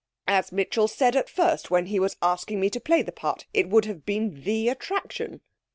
As Mitchell said at first, when he was asking me to play the part, it would have been the attraction.'